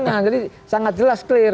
nah jadi sangat jelas clear